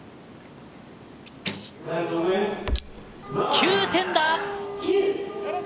９点だ！